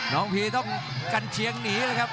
พีต้องกันเชียงหนีเลยครับ